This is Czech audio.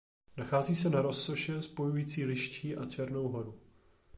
Nachází se na rozsoše spojující Liščí a Černou horu.